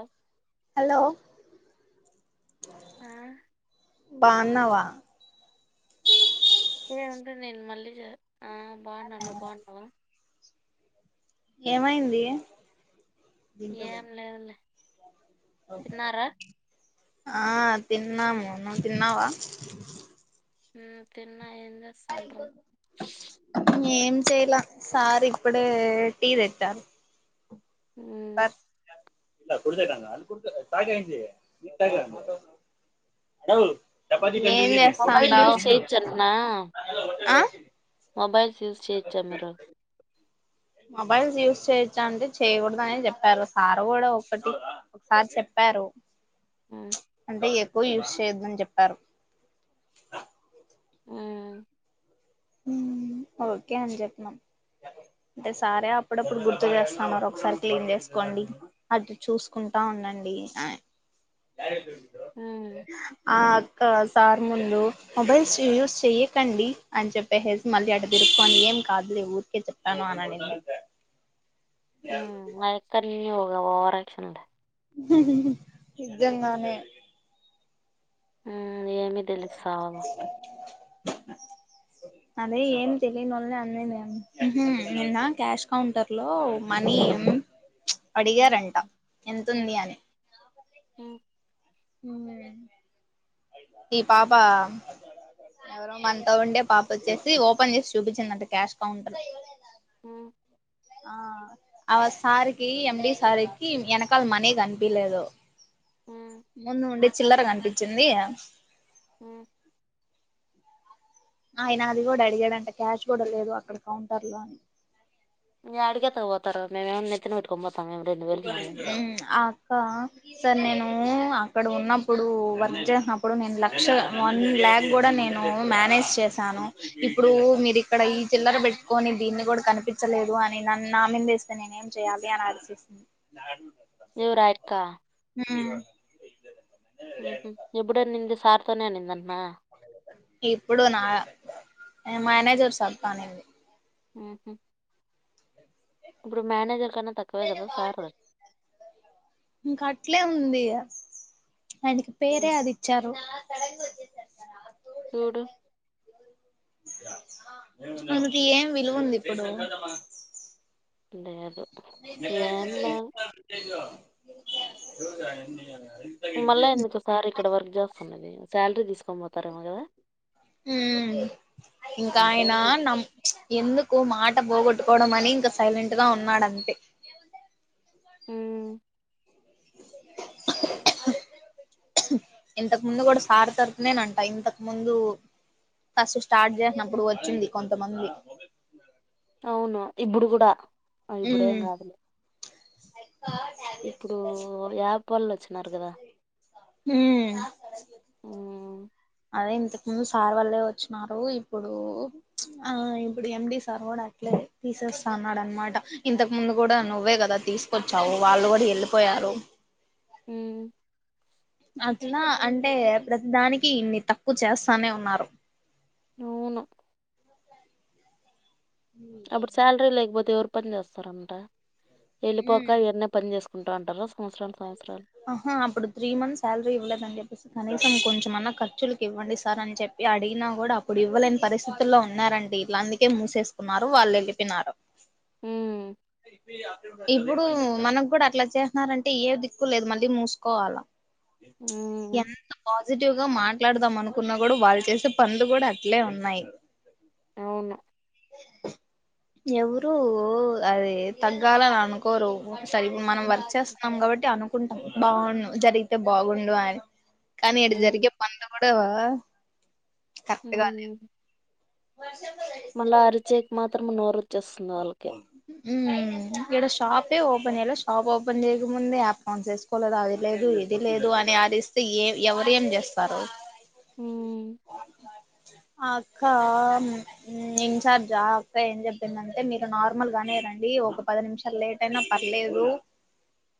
ఆ హలో ఆ బాన్నావా ఏ ఉండు నేను మళ్ళీ చే ఆ బాగున్నాను నువ్వు బాగున్నావా ఏమైంది ఏం లేదులే తిన్నారా ఆ తిన్నాము నువ్ తిన్నావా ఉమ్మ్ తిన్నా ఎం చేస్తాండ్రు ఏం చెయలా సార్ ఇప్పుడే టీ తెచ్చారు ఉమ్మ్ ఇలా కుడుతే అ కు చపా ఏం మొబైల్ యూజ్ చేస్తావుండావ్ చేయొచ్చంటనా ఆ మొబైల్స్ యూస్ చేయచ్చా మీరు మొబైల్స్ యూజ్ చేయచ్చా అంటే చేయకూడదనే చెప్పారు సారు కూడా ఒకటి ఒకసారి చెప్పా రు ఉమ్మ్ అంటే ఎక్కువ యూజ్ చేయొద్దని చెప్పారు ఆ ఓకే అని చెప్పినం అంటే సరే అప్పుడప్పుడు గుర్తు చేస్తా ఉన్నరు ఒకసారి క్లీన్ చేసుకోండి అటు చూసుకుంటా ఉండండి ఆ ఇంక సార్ ముందు మొబైల్స్ యూస్ చెయ్యకండి అని చెప్పే హెజ్ మళ్ళీ అటు తిరుక్కని ఏం కాదులే ఊరికే చెప్తాను అని నేను మ్మ్ ఆయక్క అట్లనే వు ఓరక్షన్ంట నిజంగానే మ్మ్ ఏమి తెలియద్ సావ అదే ఏం తెలియని వోళ్ళలే అంది నేను నిన్న క్యాష్ కౌంటర్ లో మనీ మ్మ్ మ్మ్ అడిగారంట ఎతుంది అని ఉ ఈ పాపా ఎవరో మన్తో ఉండే పాప వచ్చేసి ఓపెన్ చేసి చూపించిందంట క్యాష్ కౌంటర్ ఉ ఆ అ సార్కి ఎంబ సార్కి వెనకలా మనీ కనిపిలేదు మ్మ్ ముందు ఉండే చిల్లరగనిపించింది ఉ ఆయన అది కూడా అడిగాడంటే క్యాష్ కూడా లేదు అక్కడ కౌంటర్ లో అని యాడికెత్తుకు పోతారు మేమన్న నెత్తని పెట్కొ పొ ఉ ఆ సార్ నేను అక్కడ ఉన్నప్పుడు వర్క్ చేసినప్పుడు నేను లక్ష వన్ బ్యాగ్ కూడా నేను మానేజ్ చేశాను ఇప్పుడు మీరి ఇక్కడ ఈ చిల్లర్ పెట్టుకొని దీన్ని కూడా కనిపించలేదు అని నన్ను నా మీదేస్తే నేనేం చేయాలి అని నేను అరిచేసా ఎవర్ హర్తా ఉహు ఎపుడ్ అనింది సార్తోనే అనిందట్నా ఇప్పుడు నా మేనేజర్ సార్ తో అనింది ఉహూ ఇప్పుడు మేనేజర్ కన్నా తక్కువే కదా సార్ ఇంక అట్లే ఉంది ఆయనకి పేరే అది ఇచ్చారు చూడు మనకి ఏం విలువ ఉంది ఇప్పుడు లేదు ఏం లేదు మళ్ళా ఎందుకోసారి ఇక్కడ వర్క్ చేస్తున్నది శాలరీ తీసుకొని పోతారేమో కదా మ్మ్ మ్మ్ ఇంకా ఆయనా అంతేలే నమ్ ఎందుకు మాట పోగొట్టుకోవడం అని ఇంక సైలెంట్ గా ఉన్నాడంతే మ్మ్ ఇంతకు ముందు కూడా సారు తరప్నేనంట ఇంతకు ముందు ఫస్ స్టార్ట్ చేసినప్పుడు వచ్చింది కొంతమంది అవును ఇప్పుడు కూడా ఇప్పుడేం కాదులే అ ఇప్పుడు యాప్ వాళ్ళు వచ్చినారు కదా మ్మ్ ఉమ్ ముందు సార్ వళ్లే వచ్చినారు ఇప్పుడు ఆ ఇప్పుడు ఎండి సార్ కూడా అట్లే తీస్ తేస్తన్నాడు అనమాట ఇంతకు ముందు కూడా నువ్వే కదా తీసుకొచ్చావు వాళ్ళు కూడా వెళ్ళిపోయారు మ్మ్ అట్లా అంటే ప్రతి దానికి ఇన్ని తక్కువ చేస్తానే ఉన్నారు అవును అప్పుడు శాలరీ లేకపోతే ఎవరు పని చేస్తారంట వెళ్ళిపోక ఎవరి పని చేసుకో ఉంట ఉంటారు సంవత్సరాం ఆహా అప్పుడు త్రీ మంత్ సాలరి ఎవలేద్ అని చెప్పేసి అని తమ్ కొంచమన్నా ఖర్చులకు ఇవ్వండి సార్ అని చెప్పి అడిగిన కూడా అప్పుడు ఇవ్వలేని పరిస్థితుల్లో ఉన్నారండి ఇలా అందుకే మూసేసుకున్నారు వాళ్ళు వెళ్ళిపోయినారు మ్మ్ ఇప్పుడు మనకు కూడా అట్లా చేసన్నారంటే ఏ దిక్కులేదు మళ్ళీ మూసుకోవాలా ఉమ్ ఎంత పాజిటివ్గా మ మాట్లాడదాం అనుకున్నా కూడా వాళ్ళు చేసే పనులు కూడా అట్లే ఉన్నాయి అవును ఎవరు అది తగ్గాలని అనుకోరు సరి మనం వర్క్ చేస్తున్నాం కాబట్టి అనుకుంటాం బాగుండు జరిగితే బాగుండు అని కానీ ఇడ ఉమ్ జరిగే పనులు కూడా కరెక్ట్ గా లేవు మ్మ్ మాత్రం నోరు వచ్చేస్తుంది వాళ్ళకి మ్మ్ ఇడ షాపే ఓపె ఓపెన్ చేయాలా షాప్ ఓపెన్ చేయకముందు యాప్ ఆన్ చేసుకోలేదు అది లేదు ఇది లేదు అనే అరిస్తే ఏ ఎవరు ఏం చేస్తారు మ్మ్ ఆ అక్క ఇన్ఛార్జా అక్క ఏం చెప్పిందంటే మీరు నార్మల్ గానే రం అండి ఒక పది నిమిషాలు లేట్ అయినా పర్లేదు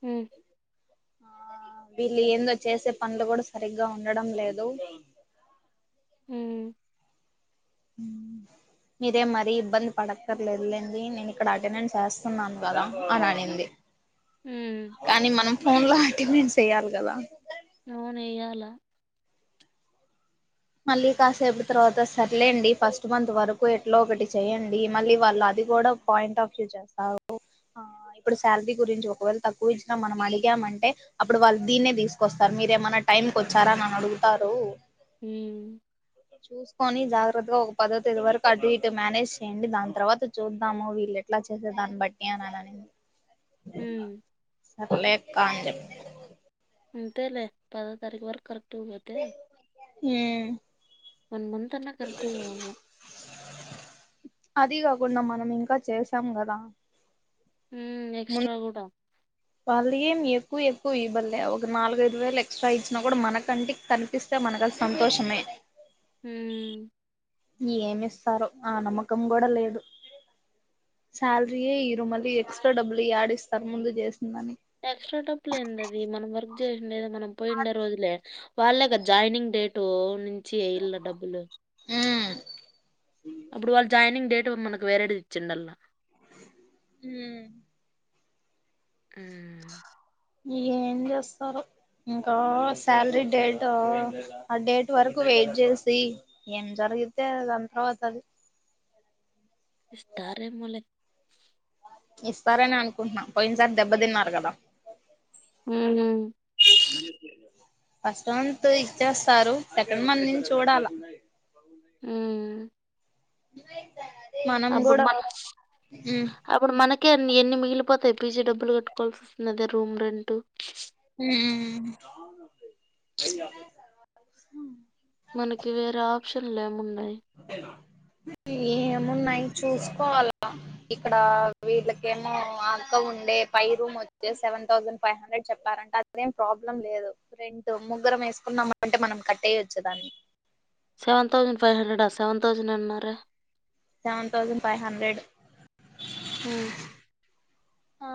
హ్మ్ వీళ్ళు ఏందో చేసే పనులు కూడా సరిగ్గా ఉండడం లేదు మ్మ్ మ్మ్ మీరే మరీ ఇబ్బంది పడక్కర్లే లెండి నేను ఇక్కడ అటెండెన్స్ వేస్తున్నాను కదా అని అనింది హ్మ్ కానీ మనం ఫోన్ లాంటివి మేం చెయాలి కదా నోన్ వేయ్యాల మళ్ళీ కాసేపు తర్వాత సర్లేండి ఫస్ట్ మంత్ వరకు ఎట్లా ఒకటి చేయ్యడి మళ్ళీ వాళ్ళ అది ఇది కూడా పాయింట్ ఆఫ్ వ్యూ చేస్తావు ఆ ఇప్పుడు శాలరీ గురించి ఒకవేళ తక్కువ ఇచ్చినా మనం అడిగామంటే అప్పుడు వాళ్ళు దీన్నే తీసుకొస్తారు మీరేమైన్నా టైంకి వచ్చారా అని అని అడుగుతారు హ్మ్ చూసుకొని జాగ్రత్తగా ఒక పదో తేదీ వరకు అటు ఇటు మేనేజ్ చేయండి దాని తర్వాత చూద్దాము వీళ్ళు ఎట్లా చేసే దాన్ని బట్టి నే నా నని [inaudible] సరే అక్క చెప్పి అంతేలే పదో తారీఖు వరకు కరెక్ట్ పోతే వన్ న్న కర్కవ అది ఇంకా చేసాం కదా ఎక్స్ట్రా కూడా వాళ్ళ ఏం ఎక్కువ ఎక్కువ ఇవ్వలే ఒక నాలుగఐదు వేలు ఎక్స్ట్రా ఇచ్చినా కూడా మనకంటే కనిపిస్తా మనకల్ సంతోషమే హమ్ ఏమి ఇస్తారు ఆ నమ్మకం కూడా లేదు శాలరీయ ఇరుమళీ ఎక్స్ట్రా డబ్బులు ఆడిస్తారు ముందు చేసిందని ఎక్స్‌ట్రా డబ్బులు లే ఏంది అది మనం వర్క్ చేసండదో మనం పోయిండే రోజులే వాళ్ళగా జాయినింగ్ డేటు నుంచి ఏళ్ళ డబ్బులు అప్పుడు వాళ్ళ జాయినింగ్ డేట్ మనకు వేరేది ఇచ్చిండ అల్ హమ్ వు ఏం చేస్తారు ఇంకా శాలరీ డేట్ ఆ డేట్ వరకు వెయిట్ చేసి ఏం జర అగితే అంతవాత ఇస్తారేమోలే ఇస్తారని అనుకుంటున్నాం పోయినసారి దెబ్బ తిన్నారు కదా హు మ్మ్ ఫస్ట్ మంత్ ఇచ్చేస్తారు సెకండ్ మంత్ నుంచి చూడాల హుమ్ [unintelligible] రిసి క్ దన అప్పుడు మన అప్పుడు మనక్ ఓకే మీ ఎన్ని మిగిలిపోతాయి పీజీ డబ్బులు కట్టుకోవాల్ వస్తుదే రూమ్ రెంటు షూ. మ్మ్ మనకి వేరే ఆప్షన్లు ఏమున్నాయి ఏమున్నాయి చూసుకోవాల గఇక్కడ వీళ్ళకేమో అక్క ఉండే పైయి రూమ్ వచ్చే సెవెన్ థౌజండ్ ఫైవ్ హండ్రెడ్ చెప్పారంటే అదేం ప్రబ్లం లేదు రెంట్ ముగ్రం వేసకుంటే కుమ్మంటే మనం కట్టేయొచ్చుదాన్ని సెవెన్ థౌజండ్ ఫైవ్ హండ్రెడా సెవెన్ థౌసండ్ అన్నారే సెవెన్ థౌజండ్ ఫైవ్ హన్ండ్రెడ్ హు హా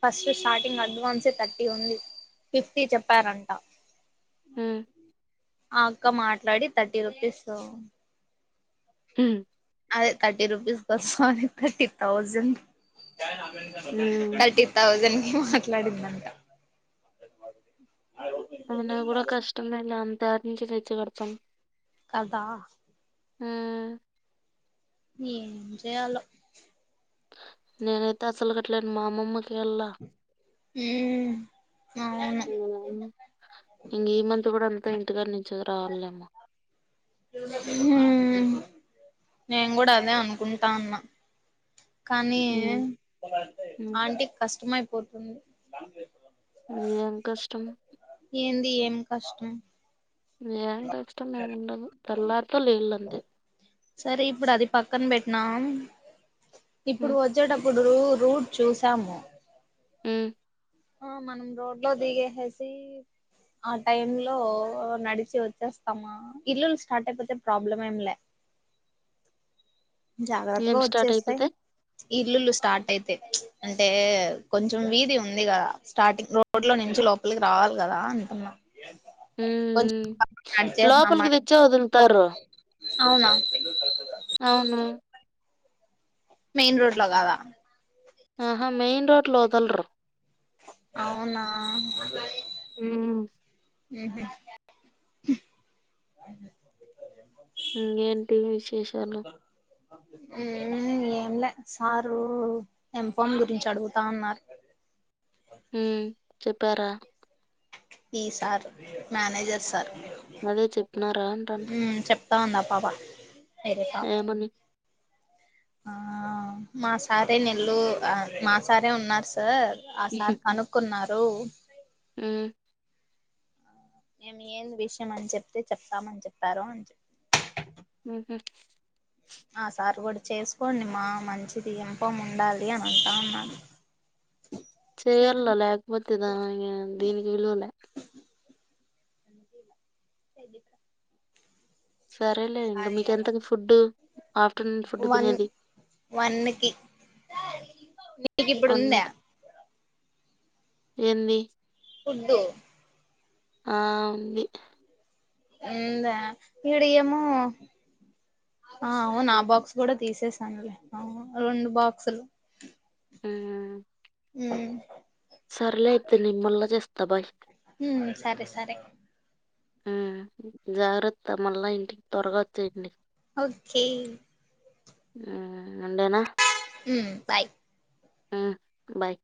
ఫస్ట్ స్టార్టింగ్ అడ్వాన్సే థర్టీ ఉంది ఫిఫ్టీ చెప్పారంట ఉమ్, ఆ అక్క మాట్లాడి థర్టీ రూపీస్ తొ హు అదే thirty rupees sorry thirty thousand ఉమ్. థర్టీ థౌజండ్ కి మాట్లాడిందంట అయినా కూడా కష్టమే అంత తీసి ఎట్ల కడతాం కదా ఉమ్మ్ ఏం చెయ్యాలో నేనైతే అసలు కట్టలేను మా అమ్మమ్మకి కేళ్ళ ఉమ్ అవును ఇంగ ఏ మంత్ కూడా ఉ ఇంటికడ నుంచి రావాల లె ఉమ్ నేను కూడ అదే అనుకుంటాన్న కానీ ఉమ్, ఉమ్. ఆంటికి కస్తమైపోతుంది ఏం కష్టం ఏంది ఏం కష్టం ఏం కష్టం ఏమి ఉండదు తెల్లారితె లైలఅంతే సరే ఇప్పుడు అది పక్కన పెట్టినాం ఇప్పుడు ఉమ్, వచ్చేట రు రూట్ చూసాము ఉమ్. ఆ మనం రోడ్లో దిగేసెసి ఆ టైమ్ లో నడిచి వచ్చేస్తామ ఇల్లులు స్టార్ట్ అయిపోతే ప్రాబ్లం ఏంలే జాగ్రత్తగ ఏం స్టార్ట్ వచ్చేస్తే అయిపోతే ఇల్లులు స్టార్ట్ అయితే అంటే కొంచెం వీధి ఉంది కదా స్టార్టింగ్ రోడ్ లో నుంచి లోపలికి రావాలి కదా అంటున్నా ఉమ్, ఉమ్. లోపలికి తెచ్చే వదులుతారు [inaudible] అవునా అవును మెయిన్ రోడ్లో కాద ఆహా మెయిన్ రోడ్లో వదలరు అవునా ఉ ఉ హు ఇంగేటి విశేషాలు ఉ ఏంలే సారు ఎంపన్ గురించి అడుగుతన్నారు చెప్పరా ఈ సార్ మేనేజ్ చేసారు అదే చెప్పినార అంటన్న బందీ అపాప ఏ మనీ ఆ మా సారే నిల్లు మా సారే ఉన్నారు సార్ ఆ సార్ కనుక్కున్నారు అ మేము ఏం విషయం అని చెప్తే చెప్తామని చెప్పారు ఉ హు ఆ సార్ కూడ చేసుకోండి మా మంచిది ఎంప ఉండాలి అని అంటా ఉన్నాను చేయ లేకపోతేద దీనికి విలువలే [inaudible] సరేలే మీకెంత ఫుడ్ ఆఫ్టర్నూన్ ఫుడ్ తినేది వన్కి నీకు ఇప్పుడు ఉందా ఎన్ని ఫుడ్ ఆ ఉంది [unintelligible] అవునా ఆ బాక్స్ కూడ తీసేసాను రెండు బాక్సులు ఆ ఉమ్ సర్లే అయితే నేను మల్ల చేస్తా బాయ్ ఉమ్ సరే సరే ఉమ్ జాగ్రత్త మళ్ళా ఇంటికి త్వరగా వచ్చేయండి ఓకే ఆ వుండేనా ఉమ్ బాయ్ ఉ బాయ్